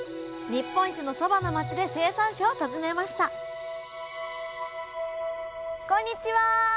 日本一のそばの町で生産者を訪ねましたこんにちは。